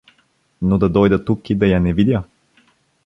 Но да дойда тук и да я не видя?